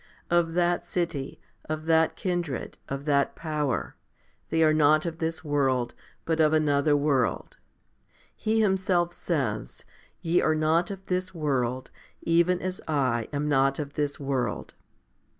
Of that city, of that kindred, of that power, they are not of this world, but of another world. He Himself says, Ye are not of this world, even as I am not of this world.